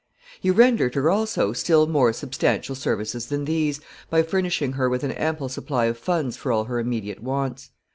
He rendered her, also, still more substantial services than these, by furnishing her with an ample supply of funds for all her immediate wants.